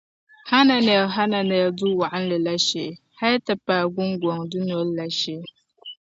Hananɛl Hananel Duu Wɔɣinli la shee hal ti paai Gooŋgɔŋ Dunɔdal’ la shee.